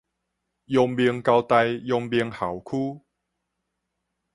陽明交大陽明校區